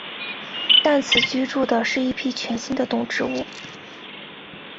但此居住的是一批全新的动植物。